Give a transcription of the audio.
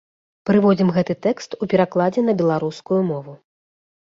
Прыводзім гэты тэкст у перакладзе на беларускую мову.